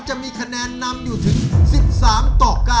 จะมีคะแนนนำอยู่ถึง๑๓ต่อ๙